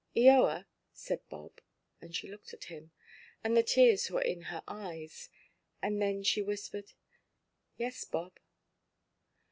"Eoa," said Bob; and she looked at him, and the tears were in her eyes. And then she whispered, "Yes, Bob."